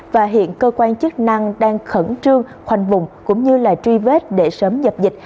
và hiện cơ quan chức năng đang khẩn trương khoanh vùng cũng như là truy vết để sớm dập dịch